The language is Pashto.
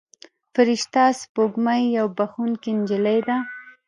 فرشته سپوږمۍ یوه بښونکې نجلۍ ده.